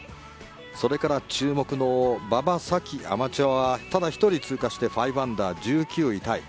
それから注目の馬場咲希、アマチュアはただ１人通過して５アンダー１９位タイ。